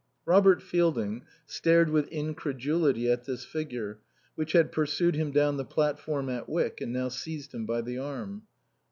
Robert Fielding stared with incredulity at this figure which had pursued him down the platform at Wyck and now seized him by the arm.